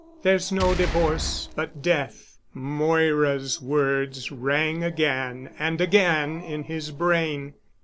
"There's no divorce—but death." Moira's words rang again and again in his brain.